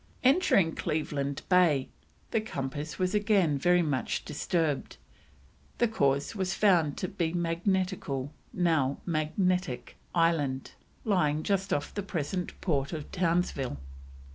Entering Cleveland Bay, the compass was again very much disturbed; the cause was found to be Magnetical, now Magnetic, Island, lying just off the present Port of Townsville.